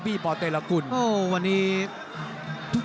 โคบี้ป่อโตเมดุ์โคบี้เพลอเตรลบท์ทักคุณ